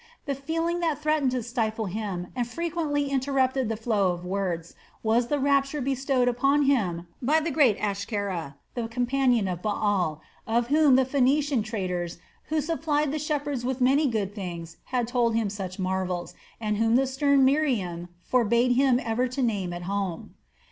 The feeling that threatened to stifle him and frequently interrupted the flow of words was the rapture bestowed upon him by great Aschera, the companion of Baal, of whom the Phoenician traders who supplied the shepherds with many good things had told him such marvels, and whom the stern Miriam forbade him ever to name at home.